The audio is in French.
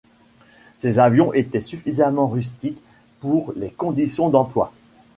Ces avions étaient suffisamment rustiques pour les conditions d'emploi.